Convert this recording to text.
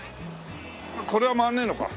これは回んねえのか。